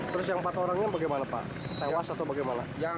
terus yang empat orangnya bagaimana pak tewas atau bagaimana